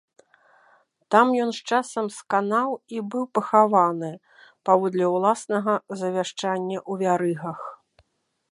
Там ён з часам сканаў і быў пахаваны, паводле ўласнага завяшчання ў вярыгах.